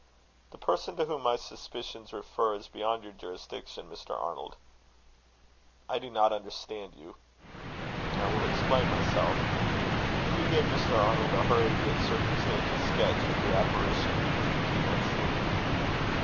"The person to whom my suspicions refer, is beyond your jurisdiction, Mr. Arnold." "I do not understand you." "I will explain myself." Hugh gave Mr. Arnold a hurried yet circumstantial sketch of the apparition he believed he had seen.